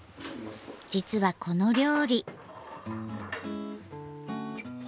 実はこの料理。